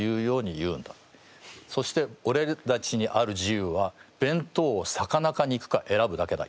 そしておれたちにある自由は弁当を魚か肉か選ぶだけだ。